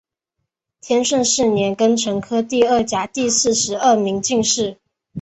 天顺四年庚辰科第二甲第四十二名进士。